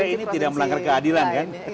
ya saya kira ini tidak melanggar keadilan